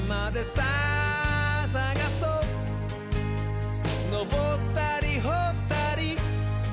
「さあさがそうのぼったりほったり」